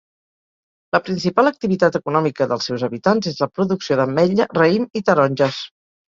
La principal activitat econòmica dels seus habitants és la producció d'ametlla, raïm i taronges.